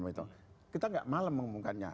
kita tidak malem mengumumkannya